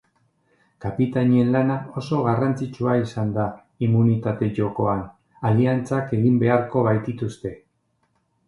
Kapitainen lana oso garrantzitsua izango da immunitate jokoan, aliantzak egin beharko baitituzte.